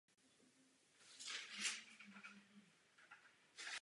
Přežil prasknutí aorty.